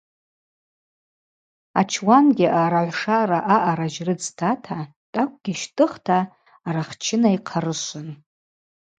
Ачуангьи аъарагӏвшара аъара жьрыдз тата тӏакӏвгьи йщтӏыхта арахчына йхъарышвын.